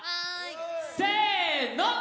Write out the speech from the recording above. せの！